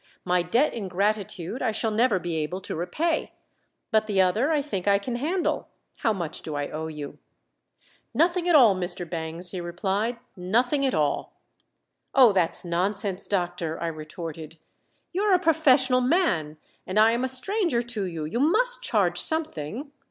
My debt in gratitude I shall never be able to repay, but the other I think I can handle. How much do I owe you?" "Nothing at all, Mr. Bangs," he replied. "Nothing at all." "Oh, that's nonsense, doctor," I retorted. "You are a professional man, and I am a stranger to you you must charge something."